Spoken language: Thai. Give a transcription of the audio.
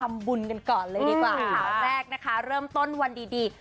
ทำบุญกันก่อนเลยดีกว่าข่าวแรกนะคะเริ่มต้นวันดีดี